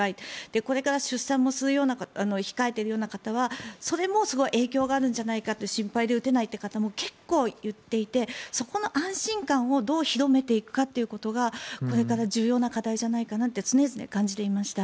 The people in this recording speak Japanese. これから出産も控えているような方はそれもすごい影響があるんじゃないか心配で打てないということも結構、言っていてそこの安心感をどう広めていくかということがこれから重要な課題じゃないかなって常々感じていました。